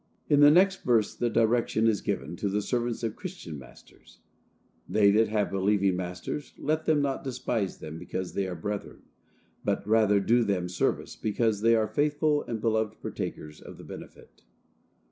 In the next verse the direction is given to the servants of Christian masters: "They that have believing masters, let them not despise them because they are brethren, but rather do them service because they are faithful and beloved, partakers of the benefit."